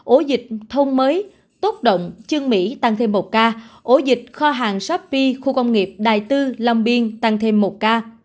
ổ dịch thông mới tốt động chương mỹ tăng thêm một ca ổ dịch kho hàng shoppi khu công nghiệp đài tư lâm biên tăng thêm một ca